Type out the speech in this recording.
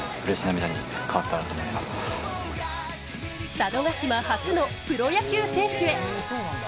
佐渡島初のプロ野球選手へ。